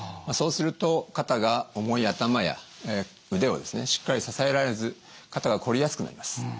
そうすると肩が重い頭や腕をですねしっかり支えられず肩がこりやすくなります。